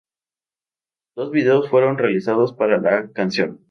Dos videos fueron realizados para la canción.